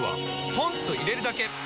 ポンと入れるだけ！